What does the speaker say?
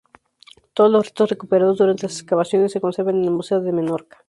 Todos los restos recuperados durante las excavaciones se conservan en el Museo de Menorca.